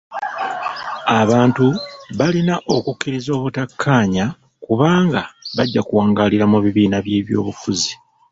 Abantu balina okukkiriza obutakkaanya kubanga bajja kuwangaalira mu bibiina by'ebyobufuzi.